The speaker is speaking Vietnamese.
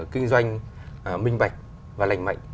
kinh doanh minh bạch và lành mạnh